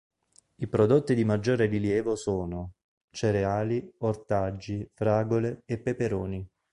I prodotti di maggiore rilievo sono: cereali, ortaggi, fragole e peperoni.